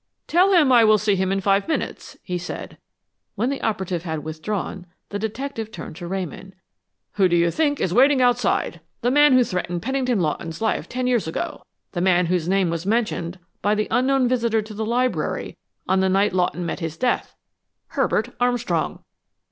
"Tell him I will see him in five minutes," he said. When the operative had withdrawn, the detective turned to Ramon. "Who do you think is waiting outside? The man who threatened Pennington Lawton's life ten years ago, the man whose name was mentioned by the unknown visitor to the library on the night Lawton met his death: Herbert Armstrong!"